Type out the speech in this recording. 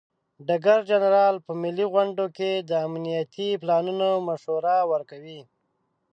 ډګر جنرال په ملي غونډو کې د امنیتي پلانونو مشوره ورکوي.